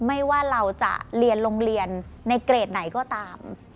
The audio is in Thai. ไม่ว่าเราจะเรียนโรงเรียนในเกรดไหนก็ตาม